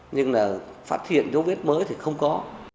nhưng là phát hiện dấu vết mới thì không có